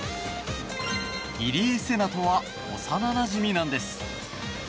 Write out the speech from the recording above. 入江聖奈とは幼なじみなんです。